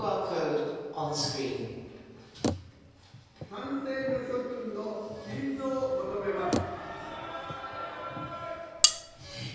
賛成の諸君の起立を求めます。